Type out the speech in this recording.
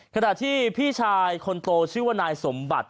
ขณะที่พี่ชายคนโตชื่อว่านายสมบัติ